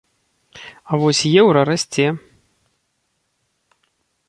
А вось еўра расце.